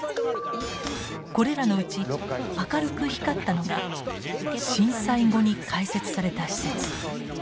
これらのうち明るく光ったのが震災後に開設された施設。